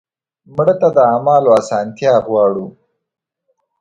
مړه ته د اعمالو اسانتیا غواړو